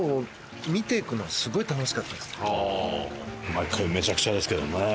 毎回めちゃくちゃですけどね。